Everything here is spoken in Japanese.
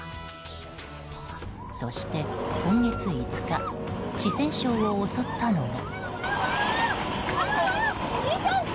そして、今月５日四川省を襲ったのが。